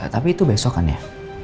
tapi itu besok kan ya